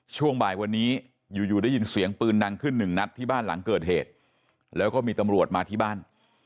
ช่วงบ่ายวันนี้อยู่อยู่ได้ยินเสียงปืนดังขึ้นหนึ่งนัดที่บ้านหลังเกิดเหตุแล้วก็มีตำรวจมาที่บ้าน